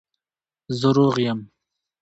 زه روغ یم